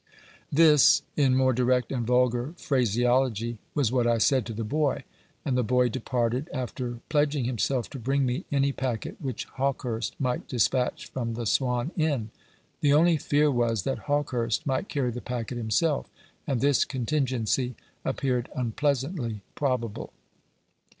This, in more direct and vulgar phraseology, was what I said to the boy; and the boy departed, after pledging himself to bring me any packet which Hawkehurst might despatch from the Swan Inn. The only fear was that Hawkehurst might carry the packet himself, and this contingency appeared unpleasantly probable.